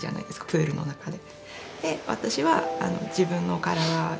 プールの中で。